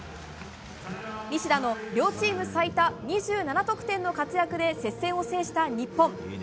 西田の両チーム最多２７得点の活躍で接戦を制した日本。